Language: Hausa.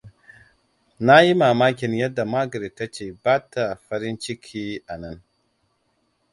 Na yi mamakin yadda Margret ta ce ba ta farinciki a nan.